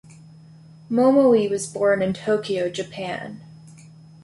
Momoi was born in Tokyo, Japan.